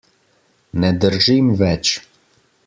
Ne držim več.